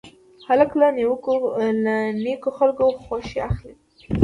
هلک له نیکو خلکو خوښي اخلي.